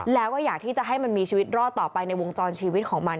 แล้วก็อยากที่จะให้มันมีชีวิตรอดต่อไปในวงจรชีวิตของมัน